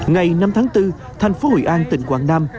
ngày năm tháng bốn thành phố hội an tỉnh quảng nam